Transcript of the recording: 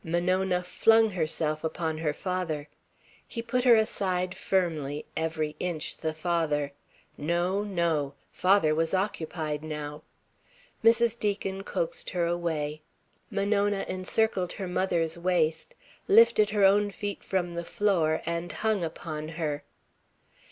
Monona flung herself upon her father. He put her aside firmly, every inch the father. No, no. Father was occupied now. Mrs. Deacon coaxed her away. Monona encircled her mother's waist, lifted her own feet from the floor and hung upon her.